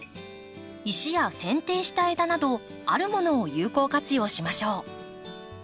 石やせん定した枝などあるものを有効活用しましょう。